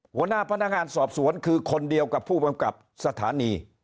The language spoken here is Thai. หัวหน้าพนักงานสอบสวนคือคนเดียวกับผู้กำกับสถานี